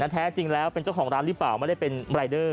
แท้จริงแล้วเป็นเจ้าของร้านหรือเปล่าไม่ได้เป็นรายเดอร์